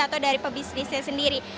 atau dari pebisnisnya sendiri